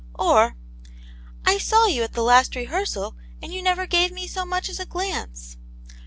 Or, " I saw you at the last rehearsal, and you never gave me so much as a glance."